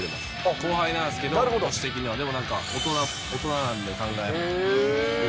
後輩なんですけど、年的にはでも大人なんで、考えが。